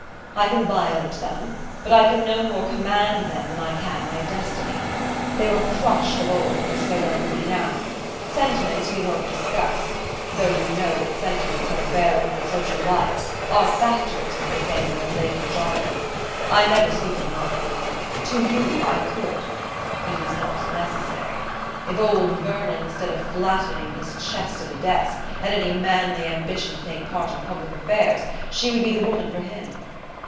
I can violate them: but I can no more command them than I can my destiny. They were crushed of old, and so let them be now. Sentiments we won't discuss; though you know that sentiments have a bearing on social life: are factors, as they say in their later jargon. I never speak of mine. To you I could. It is not necessary. If old Vernon, instead of flattening his chest at a desk, had any manly ambition to take part in public affairs, she would be the woman for him.